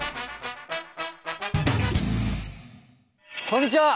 こんにちは。